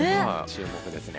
注目ですね。